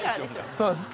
そうです。